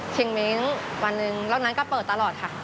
เชงมิ้งวันหนึ่งรอบนั้นก็เปิดตลอดค่ะ